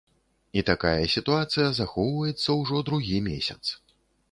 І такая сітуацыя захоўваецца ўжо другі месяц.